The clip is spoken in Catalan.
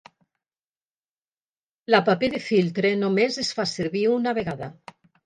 La paper de filtre només es fa servir una vegada.